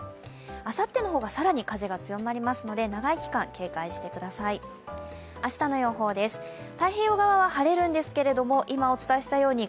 あさっての方がさらに風が強まりますので、長い期間警戒してください。